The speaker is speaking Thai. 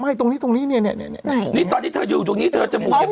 ไม่ตรงนี้ตรงนี้เนี่ยเนี่ยเนี่ยเนี่ยนี่ตอนที่เธออยู่ตรงนี้เธอจมูกอย่างเดียว